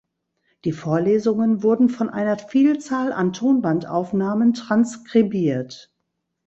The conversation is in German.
Die Vorlesungen wurde von einer Vielzahl an Tonbandaufnahmen transkribiert.